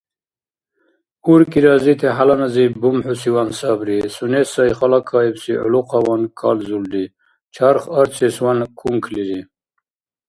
УркӀи разити хӀяланазиб бумхӀусиван сабри, сунес сай халакаибси гӀулухъаван калзулри, чарх арцесван кунклири.